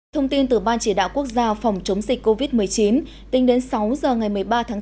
thông tin từ ban chỉ đạo quốc gia phòng chống dịch covid một mươi chín tính đến sáu giờ ngày một mươi ba tháng bốn